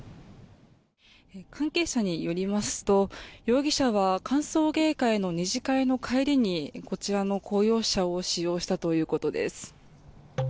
関係者によりますと容疑者は歓送迎会の２次会の帰りにこちらの公用車を使用したということです。